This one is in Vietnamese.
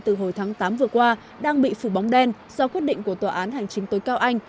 từ hồi tháng tám vừa qua đang bị phủ bóng đen do quyết định của tòa án hành chính tối cao anh